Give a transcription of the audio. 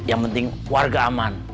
yang penting warga aman